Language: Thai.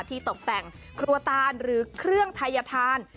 ตกแต่งครัวตานหรือเครื่องทายทาน